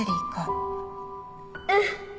うん！